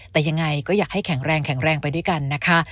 แต่ยังไงก็อยากให้แข็งแรงแข็งแรงไปด้วยกันนะคะ